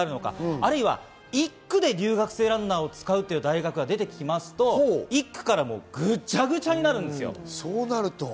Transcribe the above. あるいは１区で留学生ランナーを使うという大学を出てきますと、ぐちゃぐちゃになるんですよ。